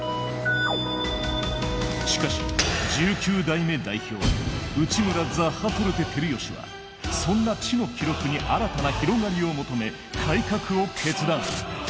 しかし１９代目代表内村・ザッハトルテ・光良はそんな「知の記録」に新たな広がりを求め改革を決断。